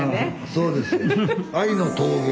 そうですよ。